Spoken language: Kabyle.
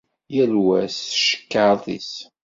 Yal wa s tcekkart-is